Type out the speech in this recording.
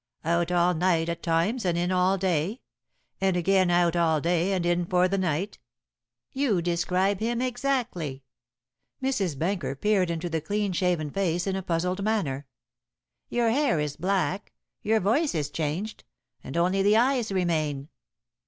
"Out all night at times, and in all day? And again, out all day and in for the night?" "You describe him exactly." Mrs. Benker peered into the clean shaven face in a puzzled manner. "Your hair is black, your voice is changed, and only the eyes remain."